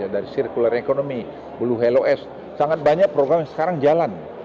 dari circular economy blue hellow s sangat banyak program yang sekarang jalan